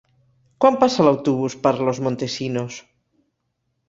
Quan passa l'autobús per Los Montesinos?